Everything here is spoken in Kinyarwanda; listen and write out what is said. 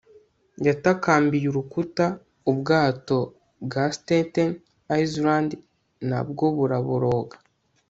yatakambiye urukuta, ubwato bwa staten island nabwo buraboroga